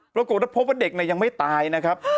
ปรากฏว่าพบว่าเด็กยังไม่ตายนะครับ